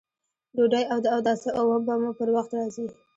ډوډۍ او د اوداسه اوبه به مو پر وخت راځي!